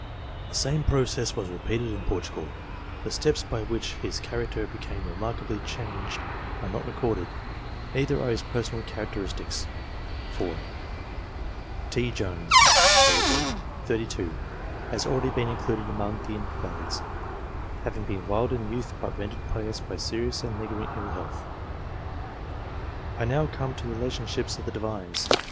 The same process was repeated in Portugal. The steps by which his character became remarkably changed are not recorded, neither are his personal characteristics. [4.] T. Jones, d. set. 32, has already been included among the invalids, having been wild in youth but rendered pious by serious and lingering ill health. I now come to the relationships of the Divines.